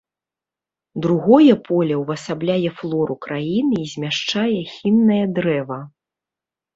Другое поле ўвасабляе флору краіны і змяшчае хіннае дрэва.